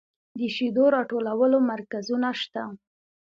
د شیدو راټولولو مرکزونه شته؟